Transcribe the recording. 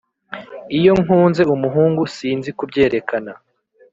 Iyo nkunze umuhungu sinzi kubyerekana